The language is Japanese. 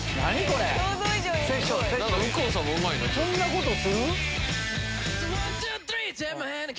こんなことする？